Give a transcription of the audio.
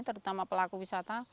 terutama pelaku wisata